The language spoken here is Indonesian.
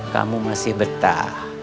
kamu masih betah